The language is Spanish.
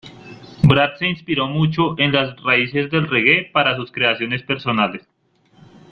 Brad se inspiró mucho en las raíces del reggae para sus creaciones personales.